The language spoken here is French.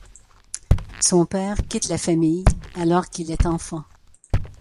Son père quitte la famille alors qu'il est enfant.